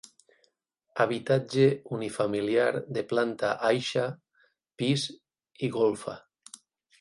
Habitatge unifamiliar de planta aixa, pis i golfa.